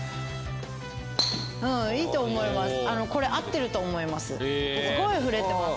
いいと思います。